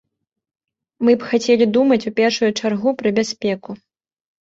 Мы б хацелі думаць у першую чаргу пра бяспеку.